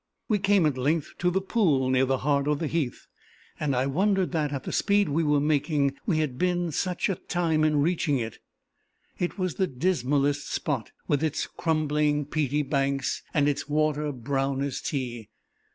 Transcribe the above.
We came at length to the pool near the heart of the heath, and I wondered that, at the speed we were making, we had been such a time in reaching it. It was the dismalest spot, with its crumbling peaty banks, and its water brown as tea.